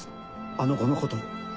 あの子のことを。